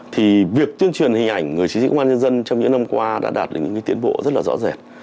thì việc tuyên truyền hình ảnh người chính trị công an nhân dân trong những năm qua đã đạt được những cái tiến bộ rất là rõ rẻ